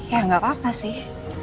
ya nggak apa apa sih